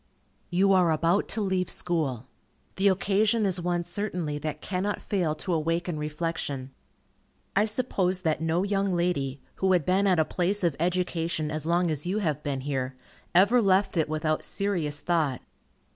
_ You are about to leave school. The occasion is one certainly that cannot fail to awaken reflection. I suppose that no young lady, who had been at a place of education as long as you have been here, ever left it without serious thought.